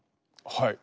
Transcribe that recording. はい。